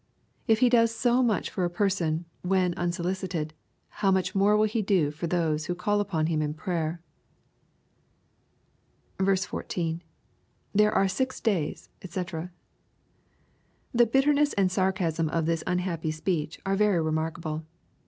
If he does so much for a person, when unsolicited, how much more will he do for those who call upon him in prayer. J 4. — [There are six days^ (fee] The bitterness and larcasm of this unhappy speech, are very remarkable.